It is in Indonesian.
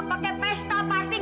jadi lu yang memiliki